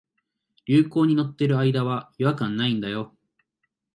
流行に乗ってる間は違和感ないんだよ